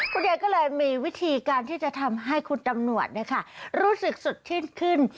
คุณยายก็เลยมีวิธีการที่จะทำให้คุณตำรวจรู้สึกสดชื่นขึ้น